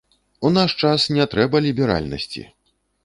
У наш час не трэба ліберальнасці.